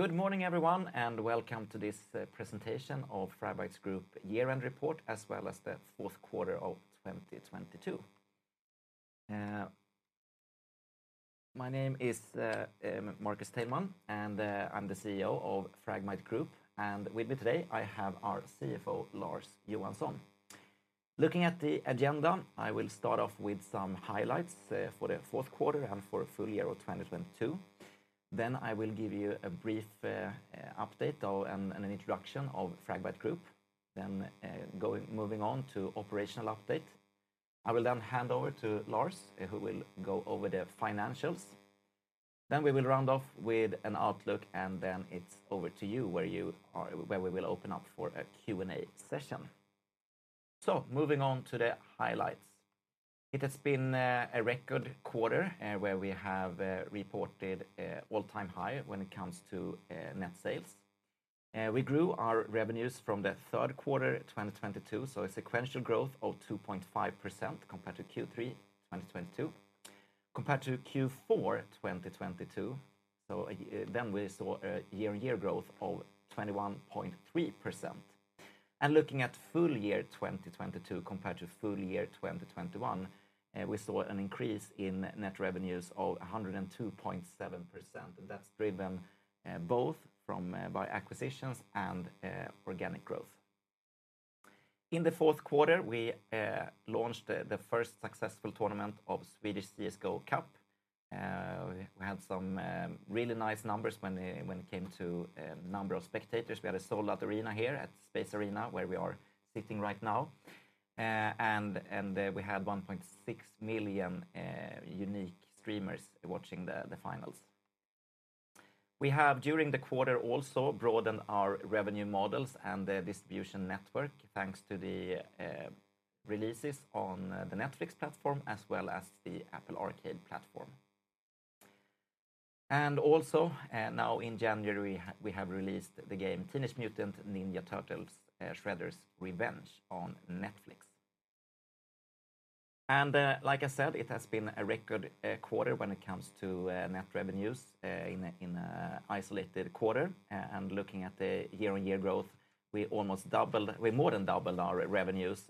Good morning everyone, welcome to this presentation of Fragbite Group year-end report as well as the fourth quarter of 2022. My name is Marcus Teilman. I'm the CEO of Fragbite Group. With me today I have our CFO, Lars Johansson. Looking at the agenda I will start off with some highlights for the fourth quarter and for full year of 2022. I will give you a brief update or an introduction of Fragbite Group, moving on to operational update. I will hand over to Lars, who will go over the financials. We will round off with an outlook. It's over to you where we will open up for a Q&A session. Moving on to the highlights. It has been a record quarter, where we have reported a all-time high when it comes to net sales. We grew our revenues from the third quarter 2022, so a sequential growth of 2.5% compared to Q3 2022. Compared to Q4 2022, then we saw a year-on-year growth of 21.3%. Looking at full year 2022 compared to full year 2021, we saw an increase in net revenues of 102.7%. That's driven both by acquisitions and organic growth. In the fourth quarter, we launched the first successful tournament of Swedish CSGO Cup. We had some really nice numbers when it came to number of spectators. We had a sold-out arena here at Space Arena where we are sitting right now. We had 1.6 million unique streamers watching the finals. We have, during the quarter, also broadened our revenue models and the distribution network, thanks to the releases on the Netflix platform as well as the Apple Arcade platform. Also, now in January we have released the game Teenage Mutant Ninja Turtles: Shredder's Revenge on Netflix. Like I said, it has been a record quarter when it comes to net revenues in an isolated quarter. Looking at the year-on-year growth, we more than doubled our revenues,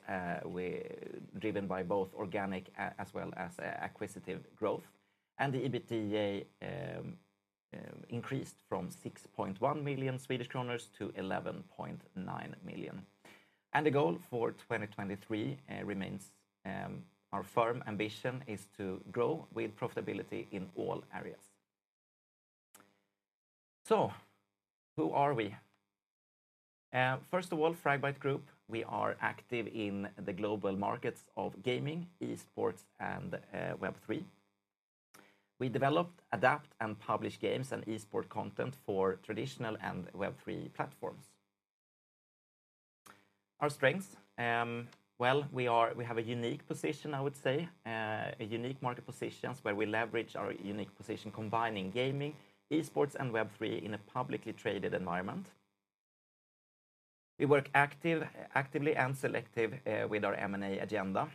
driven by both organic as well as acquisitive growth. The EBITDA increased from 6.1 million Swedish kronor to 11.9 million. The goal for 2023 remains our firm ambition is to grow with profitability in all areas. Who are we? First of all, Fragbite Group, we are active in the global markets of gaming, esports, and Web3. We develop, adapt, and publish games and esport content for traditional and Web3 platforms. Our strengths, well, we have a unique position, I would say, a unique market positions where we leverage our unique position combining gaming, esports, and Web3 in a publicly traded environment. We work actively and selective with our M&A agenda,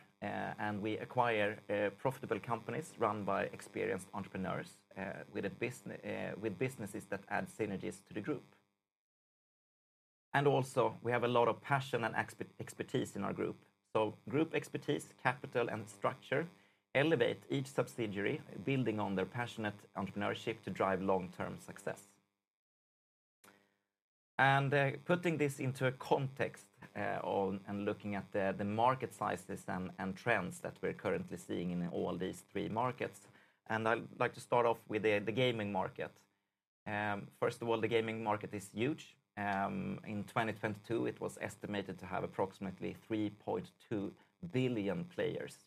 and we acquire profitable companies run by experienced entrepreneurs with businesses that add synergies to the group. Also, we have a lot of passion and expertise in our group. Group expertise, capital, and structure elevate each subsidiary, building on their passionate entrepreneurship to drive long-term success. Putting this into a context and looking at the market sizes and trends that we're currently seeing in all these three markets, I'd like to start off with the gaming market. First of all the gaming market is huge. In 2022 it was estimated to have approximately 3.2 billion players.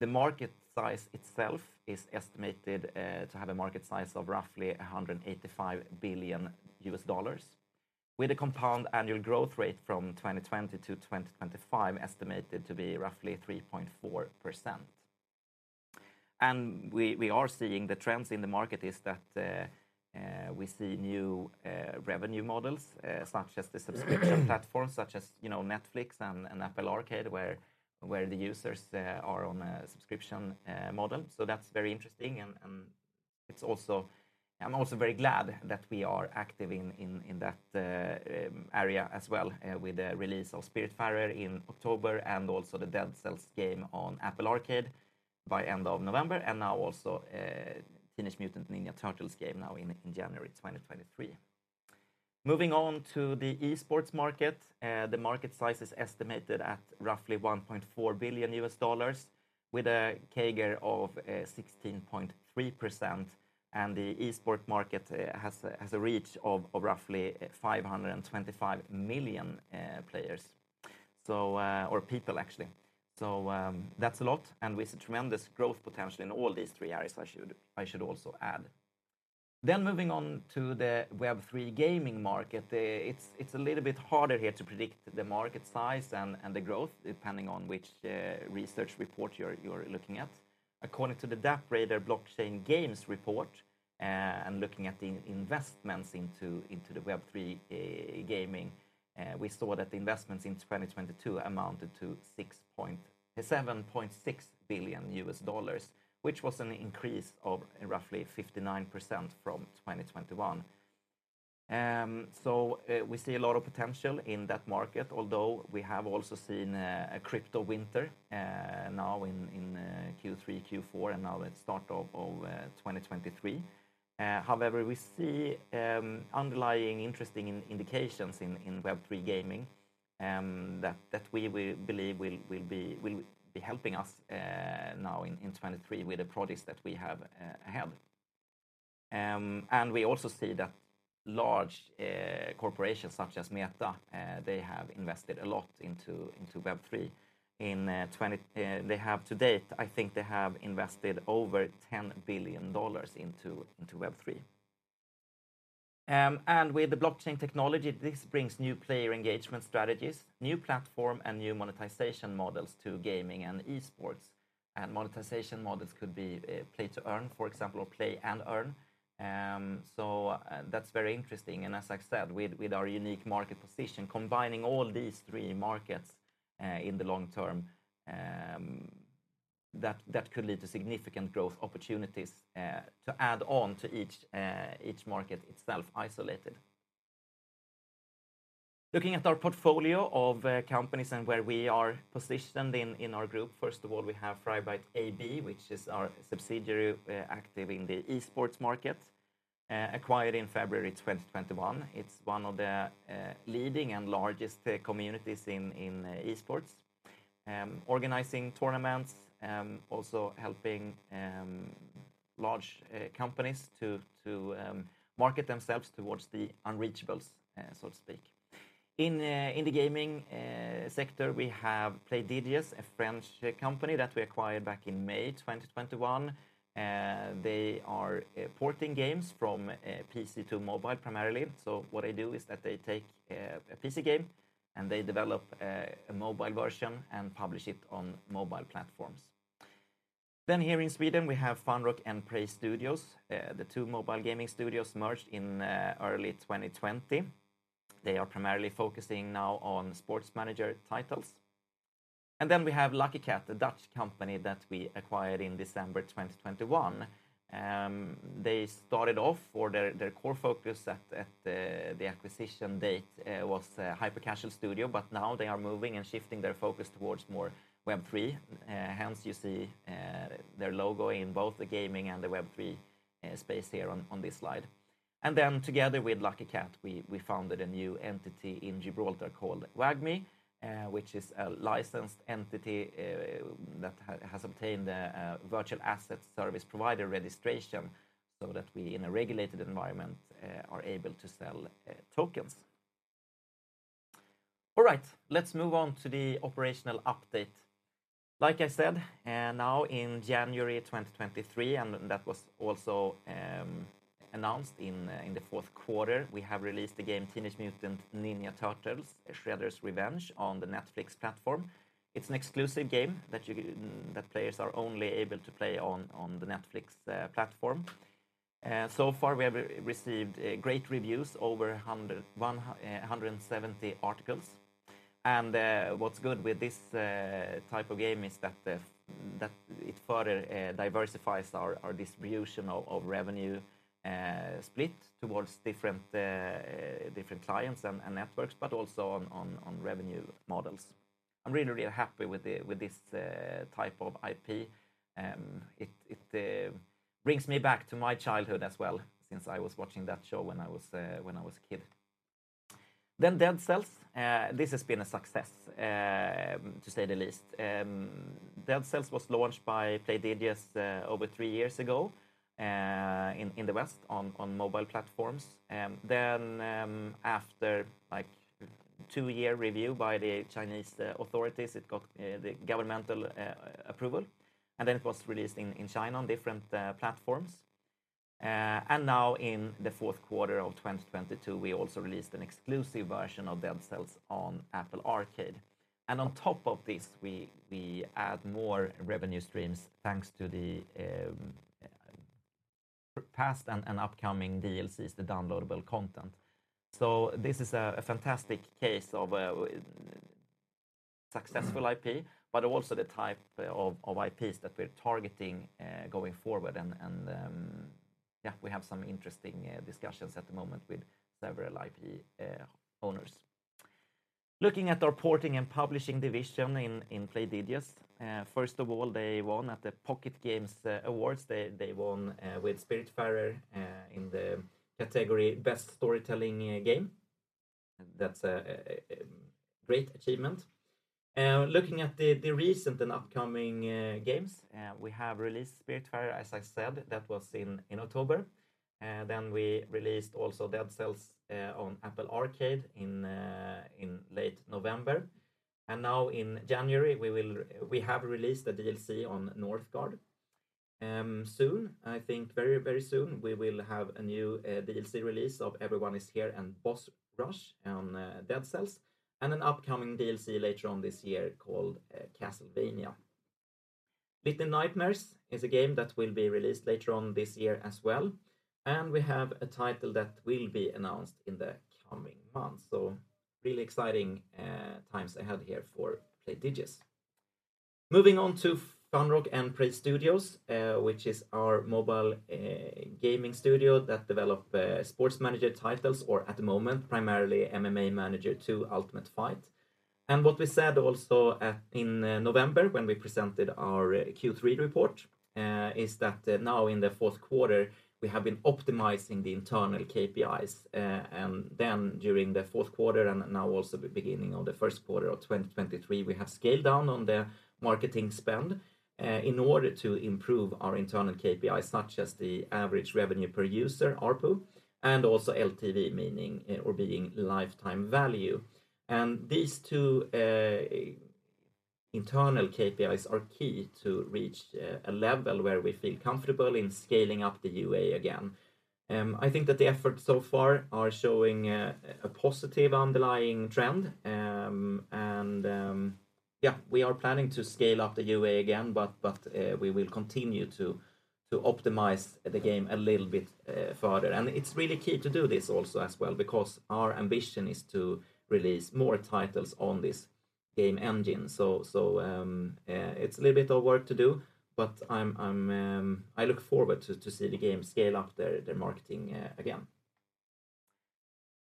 The market size itself is estimated to have a market size of roughly $185 billion, with a compound annual growth rate from 2020 to 2025 estimated to be roughly 3.4%. We are seeing the trends in the market is that we see new revenue models such as the subscription platforms such as, you know, Netflix and Apple Arcade, where the users are on a subscription model. That's very interesting and I'm also very glad that we are active in that area as well with the release of Spiritfarer in October and also the Dead Cells game on Apple Arcade by end of November, and now also a Teenage Mutant Ninja Turtles game now in January 2023. Moving on to the esports market, the market size is estimated at roughly $1.4 billion with a CAGR of 16.3%. The esports market has a reach of roughly 525 million players, or people actually. That's a lot with tremendous growth potential in all these three areas I should also add. Moving on to the Web3 gaming market, it's a little bit harder here to predict the market size and the growth, depending on which research report you're looking at. According to the DappRadar Blockchain Games report, looking at the investments into the Web3 gaming, we saw that the investments in 2022 amounted to $7.6 billion, which was an increase of roughly 59% from 2021. We see a lot of potential in that market, although we have also seen a crypto winter now in Q3, Q4, and now at start of 2023. However we see underlying interesting indications in Web3 gaming that we believe will be helping us now in 2023 with the products that we have ahead. We also see that large corporations such as Meta, they have invested a lot into Web3. They have to date, I think they have invested over $10 billion into Web3. With the blockchain technology, this brings new player engagement strategies, new platform, and new monetization models to gaming and esports. Monetization models could be play-to-earn for example, or play-and-earn. That's very interesting. As I said, with our unique market position, combining all these three markets in the long term, that could lead to significant growth opportunities to add on to each market itself isolated. Looking at our portfolio of companies and where we are positioned in our group, first of all, we have Fragbite AB, which is our subsidiary, active in the esports market, acquired in February 2021. It's one of the leading and largest communities in esports, organizing tournaments, also helping large companies to market themselves towards the unreachables, so to speak. In the gaming sector, we have Playdigious, a French company that we acquired back in May 2021. They are porting games from PC to mobile primarily. What they do is that they take a PC game, and they develop a mobile version and publish it on mobile platforms. Here in Sweden, we have FunRock & Prey Studios, the two mobile gaming studios merged in early 2020. They are primarily focusing now on sports manager titles. We have Lucky Kat, a Dutch company that we acquired in December 2021. They started off, or their core focus at the acquisition date, was a hyper-casual studio, but now they are moving and shifting their focus towards more Web3. Hence you see their logo in both the gaming and the Web3 space here on this slide. Together with Lucky Kat, we founded a new entity in Gibraltar called WAGMI, which is a licensed entity that has obtained a virtual asset service provider registration so that we, in a regulated environment, are able to sell tokens. All right. Let's move on to the operational update. Like I said, now in January 2023, that was also announced in the fourth quarter, we have released the game Teenage Mutant Ninja Turtles: Shredder's Revenge on the Netflix platform. It's an exclusive game that players are only able to play on the Netflix platform. So far we have received great reviews, over 100, 170 articles. What's good with this type of game is that it further diversifies our distribution of revenue split towards different clients and networks, but also on revenue models. I'm really happy with this type of IP. It brings me back to my childhood as well since I was watching that show when I was a kid. Dead Cells, this has been a success to say the least. Dead Cells was launched by Playdigious over three years ago in the West on mobile platforms. After like two-year review by the Chinese authorities, it got the governmental approval, it was released in China on different platforms. Now in the fourth quarter of 2022, we also released an exclusive version of Dead Cells on Apple Arcade. On top of this, we add more revenue streams thanks to the past and upcoming DLCs, the downloadable content. This is a fantastic case of a successful IP, but also the type of IPs that we're targeting going forward. Yeah, we have some interesting discussions at the moment with several IP owners. Looking at our porting and publishing division in Playdigious, first of all, they won at the Pocket Games Awards. They won with Spiritfarer in the category Best Storytelling Game. That's a great achievement. Looking at the recent and upcoming games, we have released Spiritfarer, as I said. That was in October. We released also Dead Cells on Apple Arcade in late November. Now in January, we have released a DLC on Northgard. Soon, I think very, very soon, we will have a new DLC release of Everyone is Here!, and Boss Rush on Dead Cells, and an upcoming DLC later on this year called Castlevania. Little Nightmares is a game that will be released later on this year as well. We have a title that will be announced in the coming months. Really exciting times ahead here for Playdigious. Moving on to FunRock & Prey Studios, which is our mobile gaming studio that develop sports manager titles or at the moment primarily MMA Manager 2: Ultimate Fight. What we said also in November when we presented our Q3 report, is that now in the fourth quarter, we have been optimizing the internal KPIs. During the fourth quarter and now also the beginning of the first quarter of 2023, we have scaled down on the marketing spend in order to improve our internal KPIs, such as the average revenue per user, ARPU, and also LTV, meaning, or being lifetime value. These two internal KPIs are key to reach a level where we feel comfortable in scaling up the UA again. I think that the efforts so far are showing a positive underlying trend, and we are planning to scale up the UA again, but we will continue to optimize the game a little bit further. It's really key to do this also as well because our ambition is to release more titles on this game engine. It's a little bit of work to do, but I look forward to see the game scale up their marketing again.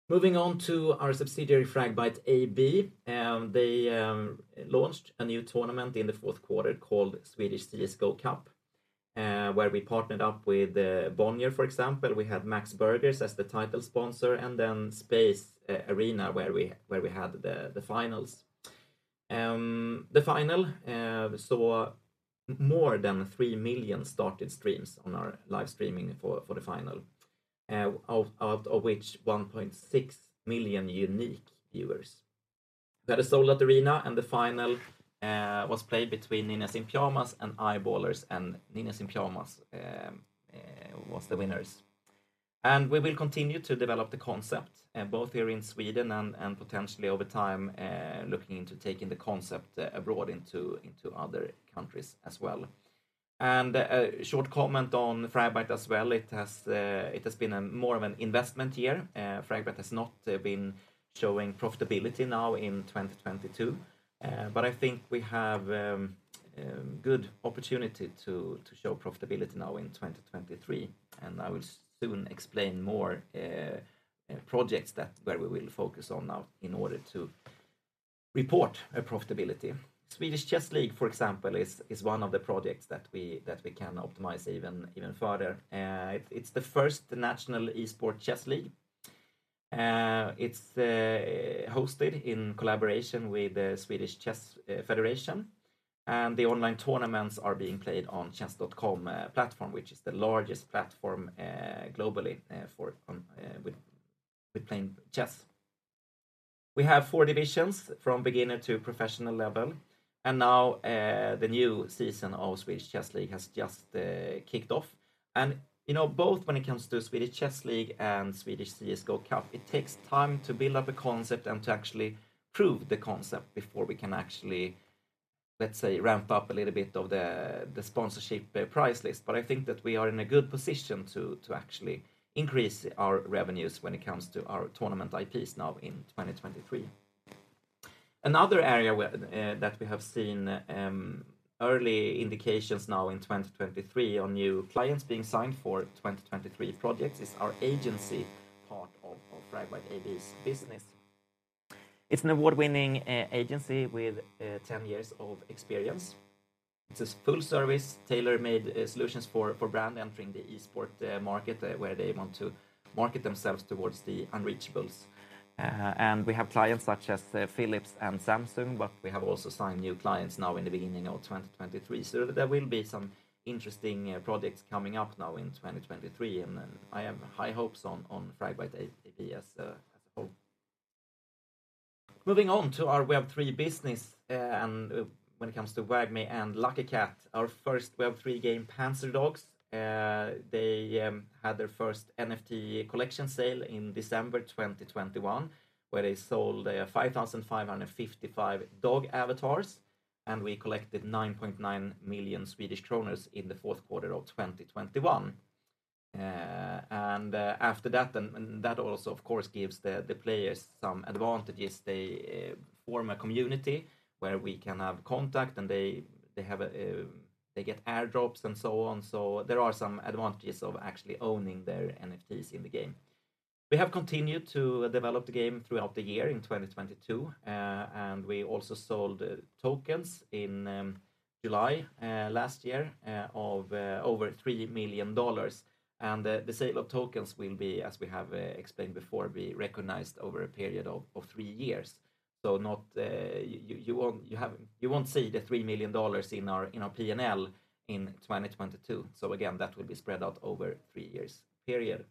Moving on to our subsidiary, Fragbite AB, they launched a new tournament in the fourth quarter called Swedish CSGO Cup, where we partnered up with Bonnier, for example. We had Max Burgers as the title sponsor and then Space Arena where we had the finals. The final saw more than 3 million started streams on our live streaming for the final, out of which 1.6 million unique viewers. We had a sold-out arena. The final was played between Ninjas in Pyjamas and EYEBALLERS. Ninjas in Pyjamas was the winners. We will continue to develop the concept, both here in Sweden and potentially over time, looking into taking the concept abroad into other countries as well. A short comment on Fragbite as well. It has been a more of an investment year. Fragbite has not been showing profitability now in 2022, but I think we have a good opportunity to show profitability now in 2023, and I will soon explain more projects where we will focus on now in order to report a profitability. Swedish Chess League, for example, is one of the projects that we can optimize further. It's the first national esports chess league. It's hosted in collaboration with the Swedish Chess Federation, the online tournaments are being played on Chess.com platform, which is the largest platform globally for playing chess. We have four divisions from beginner to professional level, the new season of Swedish Chess League has just kicked off. You know, both when it comes to Swedish Chess League and Swedish CS:GO Cup, it takes time to build up a concept and to actually prove the concept before we can actually, let's say, ramp up a little bit of the sponsorship price list. I think that we are in a good position to actually increase our revenues when it comes to our tournament IPs now in 2023. Another area that we have seen early indications now in 2023 on new clients being signed for 2023 projects is our agency part of Fragbite AB's business. It's an award-winning agency with 10 years of experience. It's a full service, tailor-made solutions for brand entering the esport market where they want to market themselves towards the unreachables. We have clients such as Philips and Samsung, but we have also signed new clients now in the beginning of 2023. There will be some interesting projects coming up now in 2023, and then I have high hopes on Fragbite AB as a whole. Web3 business, and when it comes to WAGMI and Lucky Kat, our first Web3 game, Panzerdogs, they had their first NFT collection sale in December 2021, where they sold 5,555 dog avatars, and we collected 9.9 million Swedish kronor in the fourth quarter of 2021. And after that also of course gives the players some advantages. They form a community where we can have contact, and they have a they get airdrops and so on. So there are some advantages of actually owning their NFTs in the game. We have continued to develop the game throughout the year in 2022, and we also sold tokens in July last year, of over $3 million. The sale of tokens will be, as we have explained before, be recognized over a period of three years. Not, you won't see the $3 million in our P&L in 2022. Again, that will be spread out over three years period.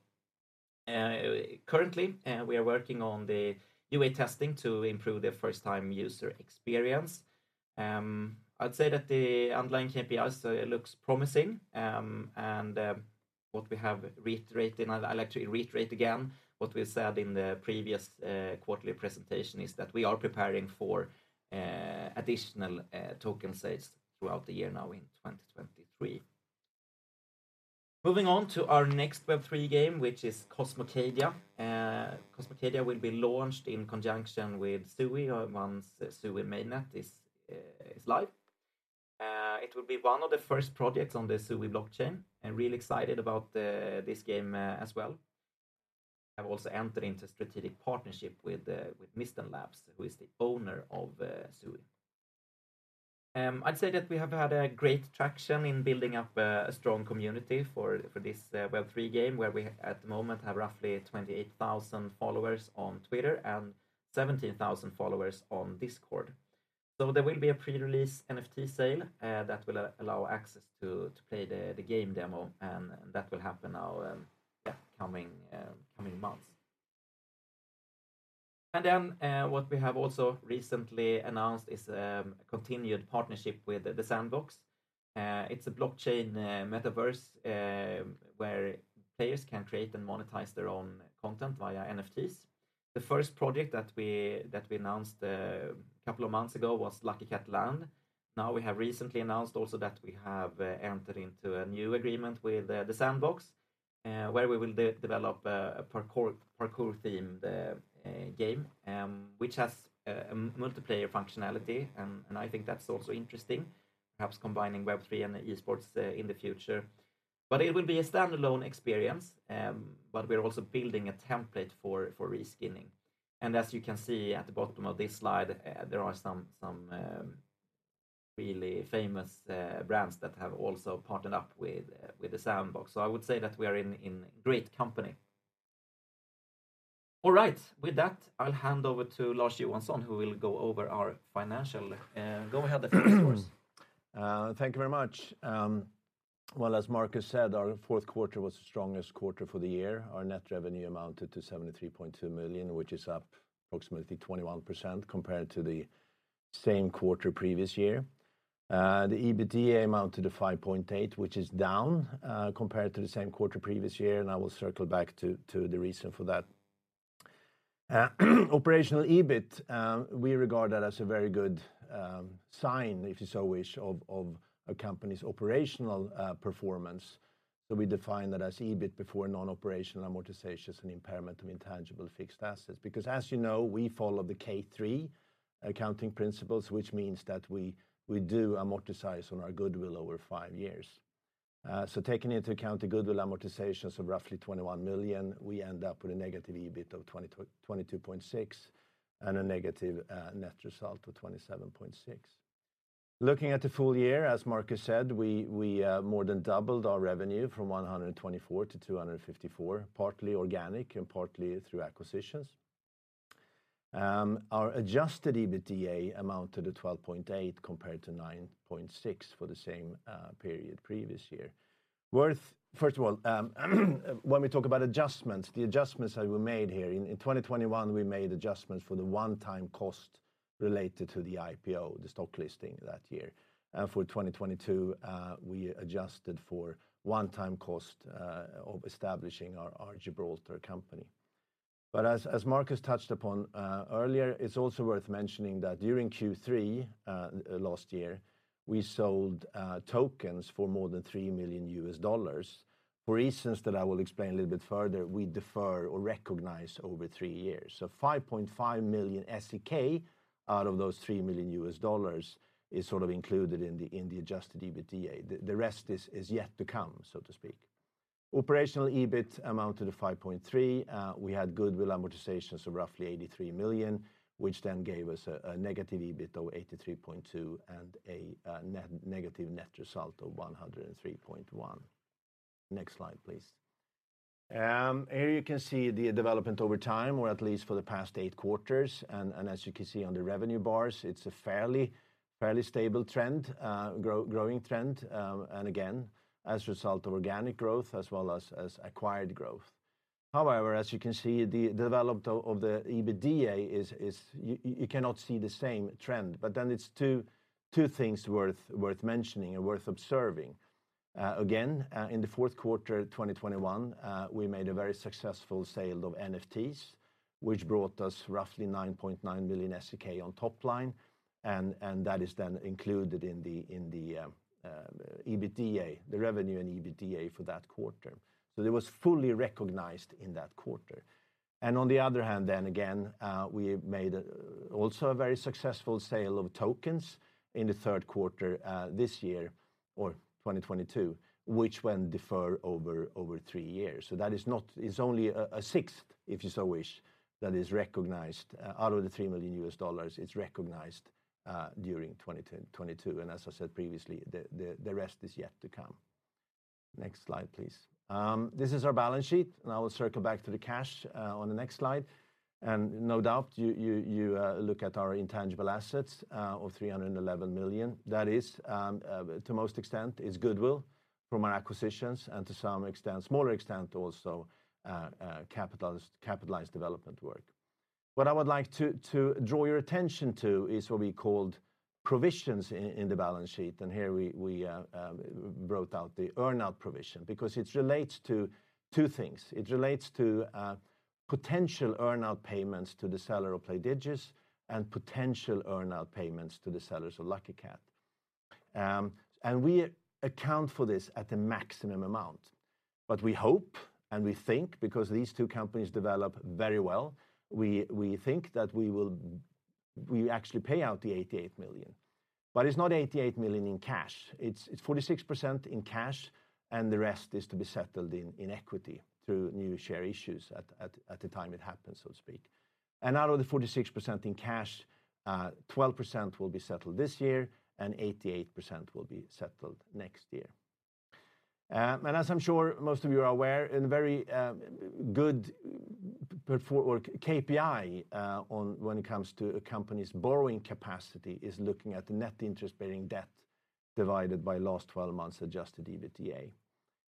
Currently, we are working on the UA testing to improve the first-time user experience. I'd say that the underlying KPIs looks promising, and. What we have reiterated, and I'll actually reiterate again what we said in the previous quarterly presentation, is that we are preparing for additional token sales throughout the year now in 2023. Moving on to our next Web3 game, which is Cosmocadia. Cosmocadia will be launched in conjunction with Sui, once Sui mainnet is live. it will be one of the first projects on the Sui blockchain, and real excited about this game as well. Have also entered into a strategic partnership with Mysten Labs, who is the owner of Sui. I'd say that we have had a great traction in building up a strong community for this Web3 game, where we at the moment have roughly 28,000 followers on Twitter and 17,000 followers on Discord. There will be a pre-release NFT sale that will allow access to play the game demo, and that will happen now in coming months. What we have also recently announced is a continued partnership with The Sandbox. it's a blockchain metaverse where players can create and monetize their own content via NFTs. The first project that we announced a couple of months ago was Lucky Cat Land. We have recently announced also that we have entered into a new agreement with The Sandbox where we will de-develop a parkour-themed game which has a multiplayer functionality, and I think that's also interesting, perhaps combining Web3 and esports in the future. It will be a standalone experience, but we're also building a template for reskinning. As you can see at the bottom of this slide, there are some really famous brands that have also partnered up with The Sandbox. I would say that we are in great company. All right. With that, I'll hand over to Lars Johansson, who will go over our financial. Go ahead, Lars. Thank you very much. Well as Marcus said our fourth quarter was the strongest quarter for the year. Our net revenue amounted to 73.2 million, which is up approximately 21% compared to the same quarter previous year. The EBITDA amounted to 5.8 million, which is down compared to the same quarter previous year, I will circle back to the reason for that. Operational EBIT, we regard that as a very good sign, if you so wish, of a company's operational performance. We define that as EBIT before non-operational amortizations and impairment of intangible fixed assets. As you know, we follow the K3 accounting principles, which means that we do amortize on our goodwill over five years. Taking into account the goodwill amortizations of roughly 21 million, we end up with a negative EBIT of 22.6, and a negative net result of 27.6. Looking at the full year, as Marcus said, we more than doubled our revenue from 124 to 254, partly organic and partly through acquisitions. Our adjusted EBITDA amounted to 12.8 compared to 9.6 for the same period previous year. First of all, when we talk about adjustments, the adjustments that we made here, in 2021, we made adjustments for the one-time cost related to the IPO, the stock listing that year. For 2022, we adjusted for one-time cost of establishing our Gibraltar company. As Marcus touched upon earlier, it's also worth mentioning that during Q3 last year, we sold tokens for more than $3 million. For reasons that I will explain a little bit further, we defer or recognize over three years. 5.5 million SEK out of those $3 million is sort of included in the adjusted EBITDA. The rest is yet to come, so to speak. Operational EBIT amounted to 5.3 million. We had goodwill amortizations of roughly 83 million, which then gave us a negative EBIT of 83.2 million and a negative net result of 103.1 million. Next slide, please. Here you can see the development over time, or at least for the past eight quarters. As you can see on the revenue bars, it's a fairly stable trend, growing trend, again, as a result of organic growth as well as acquired growth. As you can see, the development of the EBITDA is you cannot see the same trend. It's two things worth mentioning and worth observing. Again in the fourth quarter 2021, we made a very successful sale of NFTs, which brought us roughly 9.9 million SEK on top line, and that is then included in the EBITDA, the revenue and EBITDA for that quarter. It was fully recognized in that quarter. On the other hand then again, we made also a very successful sale of tokens in the third quarter this year, or 2022, which when defer over three years. That is not. It's only a sixth, if you so wish, that is recognized out of the $3 million, it's recognized during 2022. As I said previously, the rest is yet to come. Next slide, please. This is our balance sheet, and I will circle back to the cash on the next slide. No doubt, you look at our intangible assets of 311 million. That is to most extent is goodwill from our acquisitions and to some extent, smaller extent also, capitalized development work. What I would like to draw your attention to is what we called provisions in the balance sheet, here we wrote out the earn-out provision because it relates to two things. It relates to potential earn-out payments to the seller of Playdigious and potential earn-out payments to the sellers of Lucky Kat. We account for this at the maximum amount. We hope and we think because these two companies develop very well, we think that we actually pay out the 88 million. It's not 88 million in cash. It's 46% in cash, and the rest is to be settled in equity through new share issues at the time it happens, so to speak. Out of the 46% in cash, 12% will be settled this year, and 88% will be settled next year. As I'm sure most of you are aware, in very good KPI when it comes to a company's borrowing capacity is looking at net interest-bearing debt divided by last 12 months adjusted EBITDA.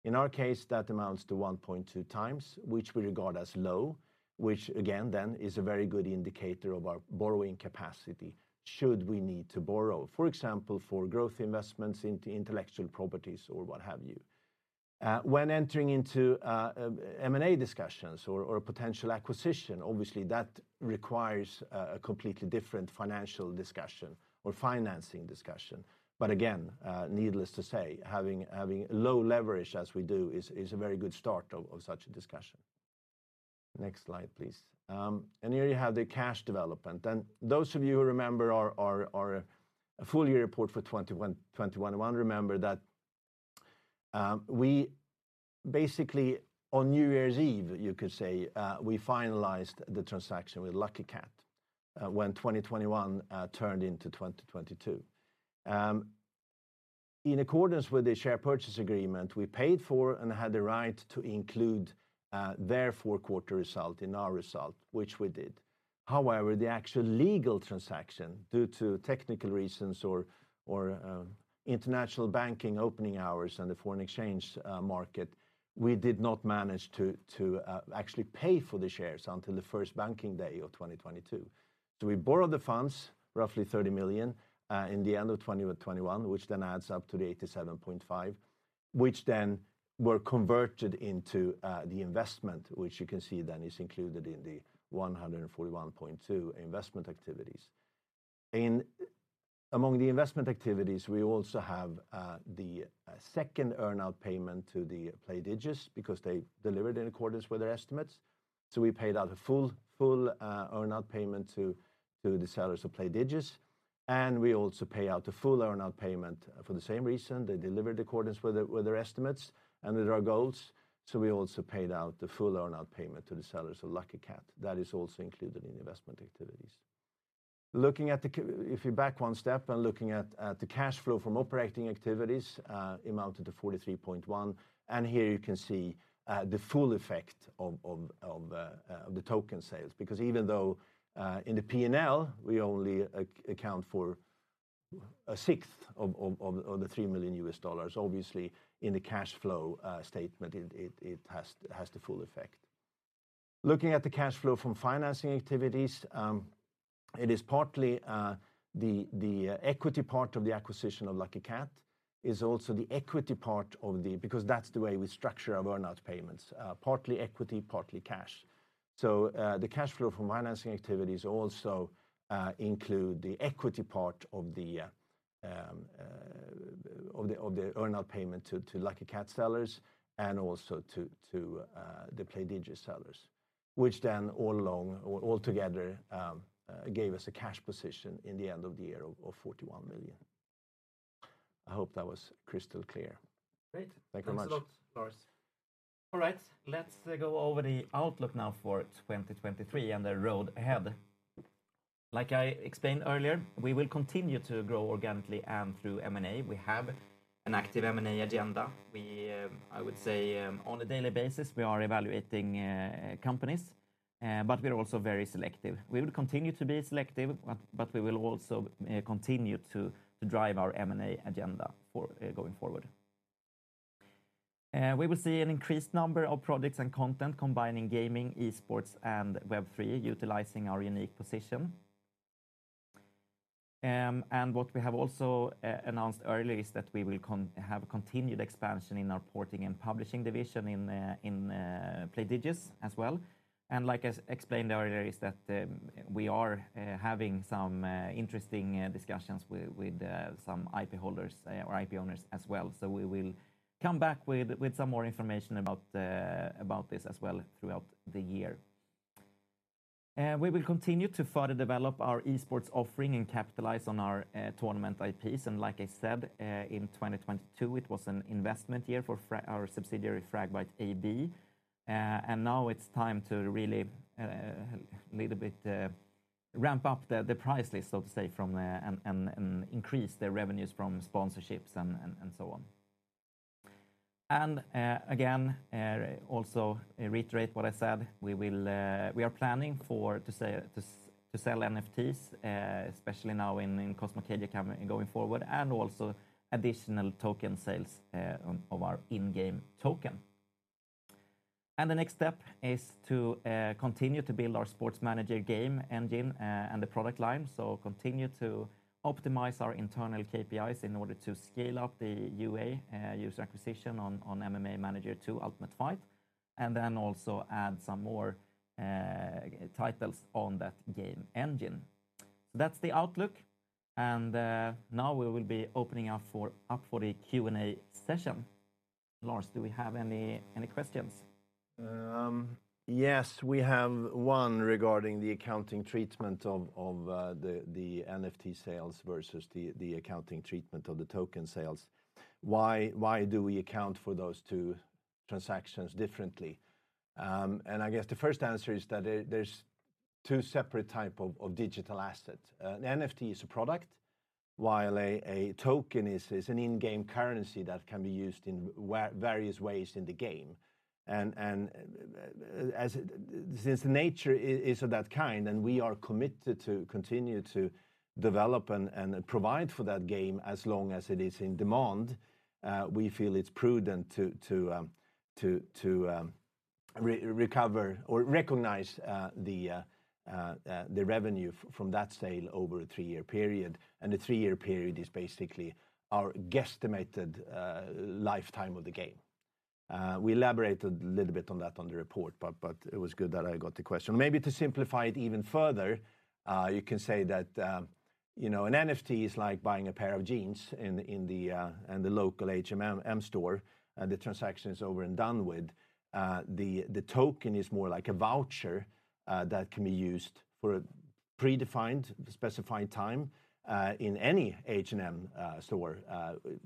In our case, that amounts to 1.2 x which we regard as low which again then is a very good indicator of our borrowing capacity should we need to borrow, for example, for growth investments into intellectual properties or what have you. When entering into M&A discussions or potential acquisition, obviously that requires a completely different financial discussion or financing discussion. Again, needless to say, having low leverage as we do is a very good start of such a discussion. Next slide, please. Here you have the cash development, and those of you who remember our full-year report for 2021 will remember that we basically on New Year's Eve, you could say, we finalized the transaction with Lucky Kat, when 2021 turned into 2022. In accordance with the share purchase agreement, we paid for and had the right to include their fourth quarter result in our result which we did. The actual legal transaction, due to technical reasons or, international banking opening hours and the foreign exchange market, we did not manage to actually pay for the shares until the first banking day of 2022. We borrowed the funds, roughly 30 million in the end of 2021, which then adds up to the 87.5, which then were converted into the investment, which you can see then is included in the 141.2 investment activities. Among the investment activities, we also have the second earn-out payment to the Playdigious because they delivered in accordance with their estimates. We paid out a full earn-out payment to the sellers of Playdigious and we also pay out the full earn-out payment for the same reason. They delivered accordance with their estimates and with our goals so we also paid out the full earn-out payment to the sellers of Lucky Kat. That is also included in investment activities. Looking at the cash flow from operating activities amounted to 43.1, here you can see the full effect of the token sales because even though in the P&L, we only account for a sixth of the $3 million, obviously in the cash flow statement, it has the full effect. Looking at the cash flow from financing activities, it is partly the equity part of the acquisition of Lucky Kat. Because that's the way we structure our earn-out payments, partly equity, partly cash. The cash flow from financing activities also include the equity part of the earn-out payment to Lucky Kat sellers and also to Playdigious sellers which then all along or all together gave us a cash position in the end of the year of 41 million. I hope that was crystal clear. Great. Thank you very much. Thanks a lot, Lars. All right. Let's go over the outlook now for 2023 and the road ahead. Like I explained earlier, we will continue to grow organically and through M&A. We have an active M&A agenda. We, I would say, on a daily basis, we are evaluating companies, but we're also very selective. We will continue to be selective, but we will also continue to drive our M&A agenda for going forward. We will see an increased number of projects and content combining gaming, esports, and Web3, utilizing our unique position. What we have also announced earlier is that we will have a continued expansion in our porting and publishing division in Playdigious as well. Like I explained earlier is that we are having some interesting discussions with some IP holders or IP owners as well. We will come back with some more information about about this as well throughout the year. We will continue to further develop our esports offering and capitalize on our tournament IPs. Like I said, in 2022, it was an investment year for our subsidiary, Fragbite AB. Now it's time to really little bit ramp up the price list, so to say, from and increase the revenues from sponsorships and so on. Again, also reiterate what I said, we are planning to sell NFTs, especially now in Cosmocadia going forward, and also additional token sales of our in-game token. The next step is to continue to build our sports manager game engine and the product line. Continue to optimize our internal KPIs in order to scale up the UA user acquisition on MMA Manager 2: Ultimate Fight, and then also add some more titles on that game engine. That's the outlook. Now we will be opening up for the Q&A session. Lars, do we have any questions? Yes, we have one regarding the accounting treatment of the NFT sales versus the accounting treatment of the token sales. Why do we account for those two transactions differently? I guess the first answer is that there's two separate type of digital assets. An NFT is a product, while a token is an in-game currency that can be used in various ways in the game. Since the nature is of that kind, we are committed to continue to develop and provide for that game as long as it is in demand, we feel it's prudent to recover or recognize the revenue from that sale over a three-year period, the three-year period is basically our guesstimated lifetime of the game. We elaborated a little bit on that on the report, but it was good that I got the question. Maybe to simplify it even further, you can say that, you know, an NFT is like buying a pair of jeans in the local H&M store, and the transaction is over and done with. The token is more like a voucher that can be used for a predefined, specified time, in any H&M store,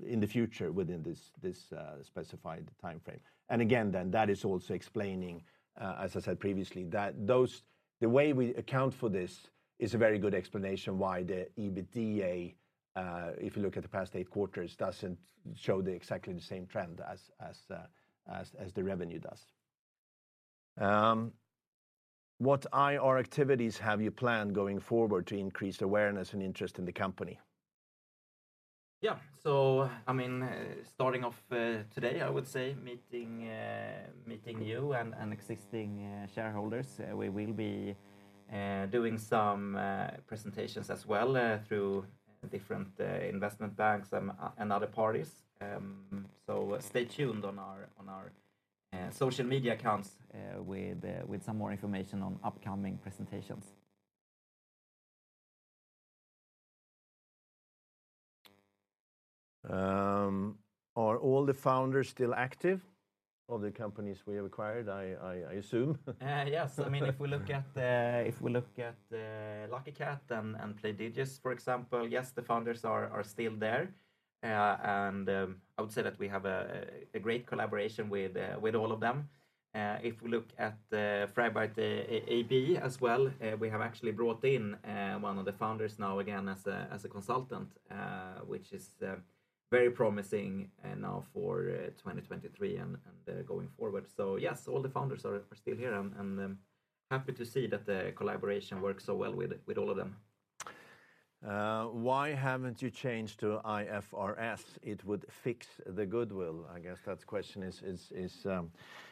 in the future within this specified timeframe. Again, that is also explaining, as I said previously, that The way we account for this is a very good explanation why the EBITDA, if you look at the past eight quarters, doesn't show the exactly the same trend as the revenue does. What IR activities have you planned going forward to increase awareness and interest in Fragbite Group? Yeah. I mean, starting off today, I would say meeting you and existing shareholders, we will be doing some presentations as well through different investment banks and other parties. Stay tuned on our social media accounts with some more information on upcoming presentations. Are all the founders still active of the companies we have acquired, I assume? Yes. I mean, if we look at, if we look at Lucky Kat and Playdigious, for example, yes, the founders are still there. I would say that we have a great collaboration with all of them. If we look at Fragbite AB as well, we have actually brought in one of the founders now again as a consultant, which is very promising now for 2023 and going forward. Yes, all the founders are still here and happy to see that the collaboration works so well with all of them. Why haven't you changed to IFRS? It would fix the goodwill. I guess that question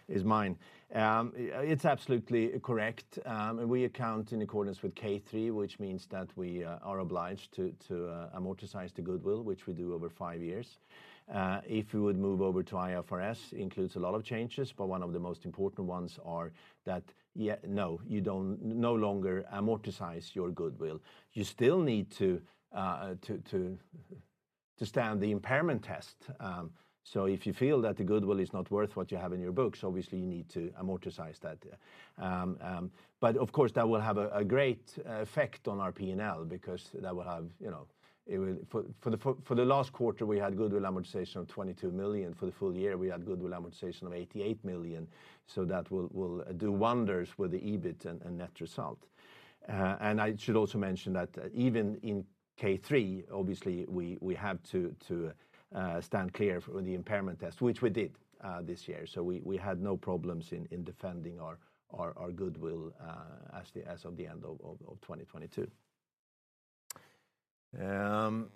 is mine. It's absolutely correct. We account in accordance with K3, which means that we are obliged to amortize the goodwill, which we do over five years. If we would move over to IFRS, includes a lot of changes, but one of the most important ones are that, no, you don't no longer amortize your goodwill. You still need to stand the impairment test. If you feel that the goodwill is not worth what you have in your books, obviously you need to amortize that. Of course, that will have a great effect on our P&L because that will have, you know, for the last quarter, we had goodwill amortization of 22 million. For the full year, we had goodwill amortization of 88 million. That will do wonders with the EBIT and net result. I should also mention that even in K3, obviously, we have to stand clear for the impairment test, which we did this year. We had no problems defending our goodwill as of the end of 2022. Will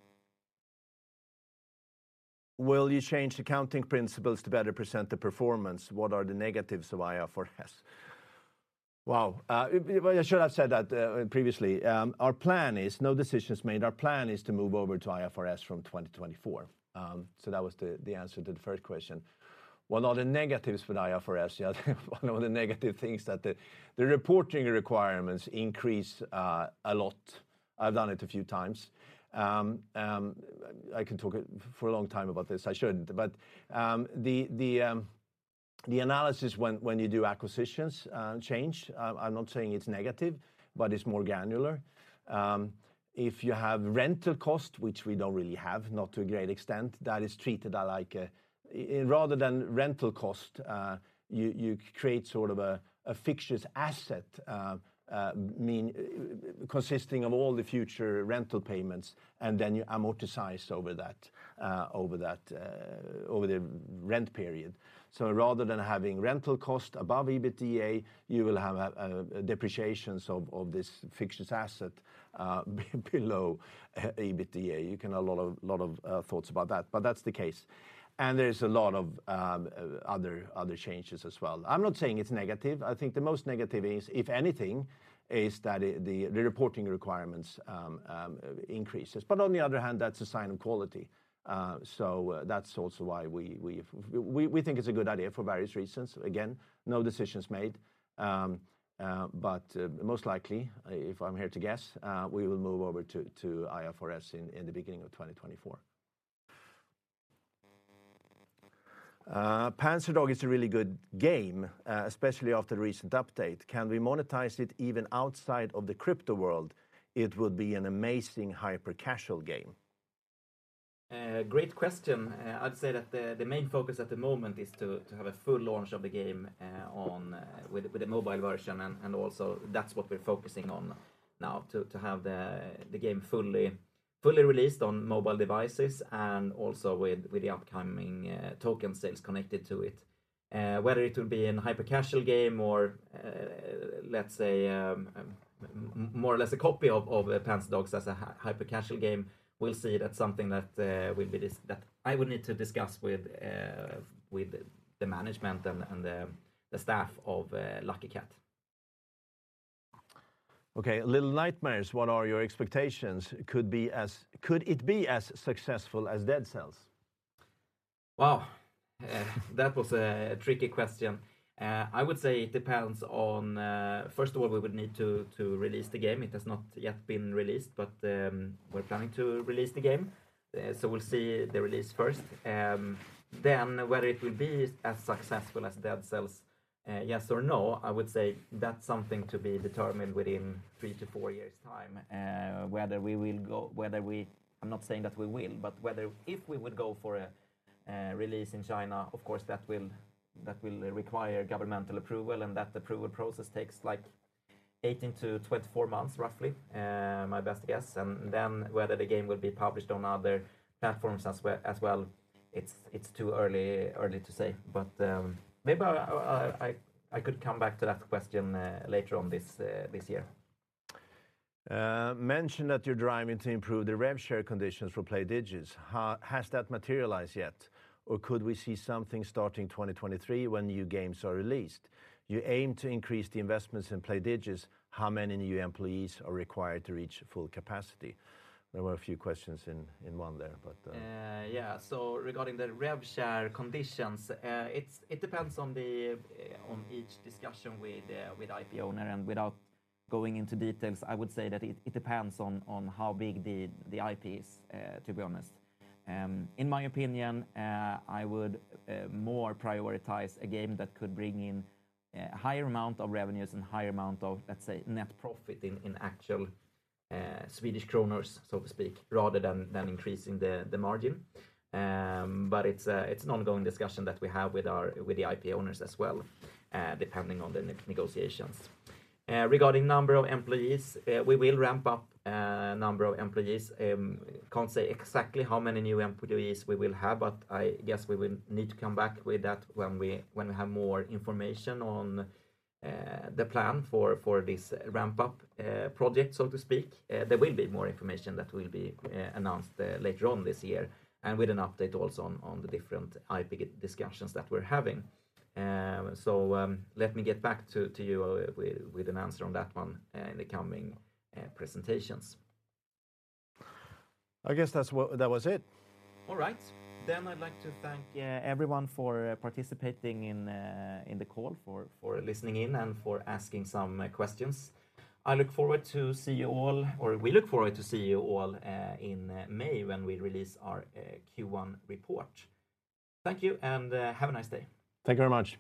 you change accounting principles to better present the performance? What are the negatives of IFRS? Wow. Well, I should have said that previously. Our plan is. No decisions made. Our plan is to move over to IFRS from 2024. That was the answer to the first question. What are the negatives for the IFRS? Yeah. One of the negative things that the reporting requirements increase a lot. I've done it a few times. I can talk for a long time about this. I shouldn't. The analysis when you do acquisitions change. I'm not saying it's negative, but it's more granular. If you have rental cost, which we don't really have, not to a great extent, that is treated like Rather than rental cost, you create sort of a fixtures asset consisting of all the future rental payments, and then you amortize over that over that over the rent period. Rather than having rental cost above EBITDA, you will have depreciations of this fixtures asset, below EBITDA. You can have a lot of thoughts about that, but that's the case. There's a lot of other changes as well. I'm not saying it's negative. I think the most negative is, if anything, is that the reporting requirements increases. On the other hand, that's a sign of quality. That's also why we think it's a good idea for various reasons. Again, no decisions made. Most likely, if I'm here to guess we will move over to IFRS in the beginning of 2024. Panzerdogs is a really good game, especially after the recent update. Can we monetize it even outside of the crypto world? It would be an amazing hyper-casual game. Great question. I'd say that the main focus at the moment is to have a full launch of the game on with the mobile version and also that's what we're focusing on now to have the game fully released on mobile devices and also with the upcoming token sales connected to it. Whether it will be an hyper-casual game or, let's say, more or less a copy of Panzerdogs as a hyper-casual game, we'll see. That's something that I would need to discuss with the management and the staff of Lucky Kat. Okay. Little Nightmares, what are your expectations? Could it be as successful as Dead Cells? Wow. That was a tricky question. I would say it depends on first of all we would need to release the game. It has not yet been released, but we're planning to release the game. We'll see the release first. Whether it will be as successful as Dead Cells, yes or no, I would say that's something to be determined within three to four years' time, I'm not saying that we will, but whether if we would go for a release in China, of course, that will require governmental approval, and that approval process takes like 18 to 24 months, roughly, my best guess. Whether the game will be published on other platforms as well, it's too early to say. Maybe I could come back to that question later on this year. Mention that you're driving to improve the rev share conditions for Playdigious. Has that materialized yet? Could we see something starting 2023 when new games are released? You aim to increase the investments in Playdigious. How many new employees are required to reach full capacity? There were a few questions in one there. Yeah. Regarding the rev share conditions, it depends on the, on each discussion with IP owner. Without going into details, I would say that it depends on how big the IP is, to be honest. In my opinion, I would more prioritize a game that could bring in a higher amount of revenues and higher amount of, let's say, net profit in actual Swedish kronors, so to speak, rather than increasing the margin. It's an ongoing discussion that we have with the IP owners as well, depending on the negotiations. Regarding number of employees, we will ramp up number of employees. Can't say exactly how many new employees we will have. I guess we will need to come back with that when we have more information on the plan for this ramp-up project, so to speak. There will be more information that will be announced later on this year, and with an update also on the different IP discussions that we're having. Let me get back to you with an answer on that one in the coming presentations. I guess that's that was it. All right. I'd like to thank everyone for participating in the call, for listening in, and for asking some questions. We look forward to see you all in May when we release our Q1 report. Thank you, and have a nice day. Thank you very much.